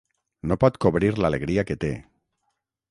No pot cobrir l'alegria que té.